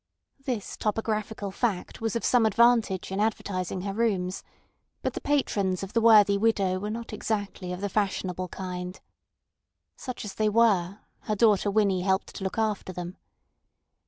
This topographical fact was of some advantage in advertising her rooms; but the patrons of the worthy widow were not exactly of the fashionable kind. Such as they were, her daughter Winnie helped to look after them.